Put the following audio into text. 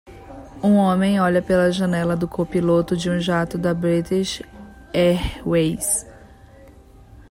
Um homem olha pela janela do copiloto de um jato da British Airways